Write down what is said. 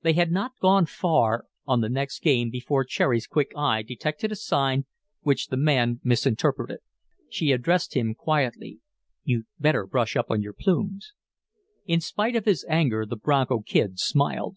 They had not gone far on the next game before Cherry's quick eye detected a sign which the man misinterpreted. She addressed him, quietly, "You'd better brush up your plumes." In spite of his anger the Bronco Kid smiled.